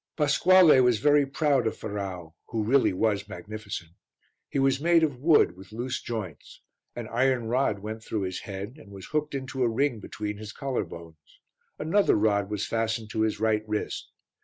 Pasquale was very proud of Ferrau who really was magnificent. He was made of wood with loose joints. An iron rod went through his head, and was hooked into a ring between his collar bones. Another rod was fastened to his right wrist.